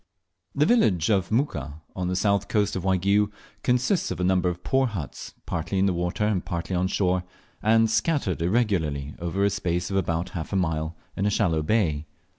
THE village of Muka, on the south coast of Waigiou, consists of a number of poor huts, partly in the water and partly on shore, and scattered irregularly over a space of about half a mile in a shallow bay.